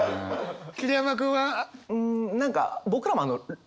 桐山君は？